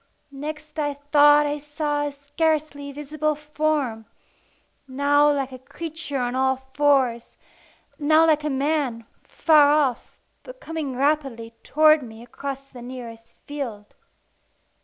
Next I thought I saw a scarcely visible form now like a creature on all fours, now like a man, far off, but coming rapidly towards me across the nearest field.